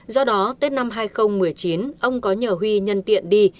do đó tết năm hai nghìn một mươi chín ông có nhờ huy nhân tiện đi